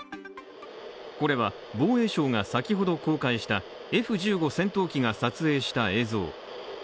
これは防衛省が先ほど公開したＦ１５戦闘機が撮影した映像。